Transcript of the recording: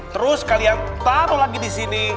terus kalian taruh lagi di sini